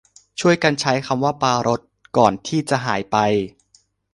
ช่วยกันใช้คำว่าปรารภ ก่อนที่จะหายไป